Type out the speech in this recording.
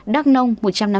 đắk nông một trăm năm mươi tám